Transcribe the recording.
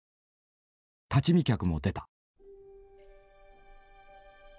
立ち見客も出た。